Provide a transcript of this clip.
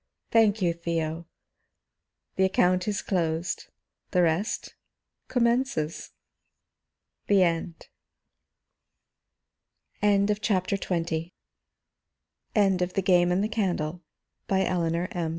Thank you, Theo. The account is closed; the rest commences." THE END End of Project Gutenberg's The Game and the Candle, by Eleanor M.